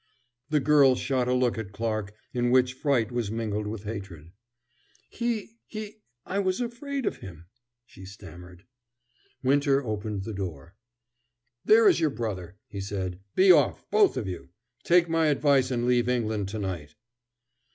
The girl shot a look at Clarke in which fright was mingled with hatred. "He he I was afraid of him," she stammered. Winter opened the door. "There is your brother," he said. "Be off, both of you. Take my advice and leave England to night."